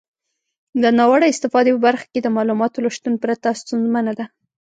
د ناوړه استفادې په برخه کې د معلوماتو له شتون پرته ستونزمنه ده.